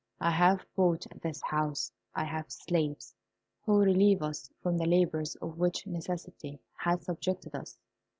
I have bought this house; I have slaves, who relieve us from the labours to which necessity had subjected us.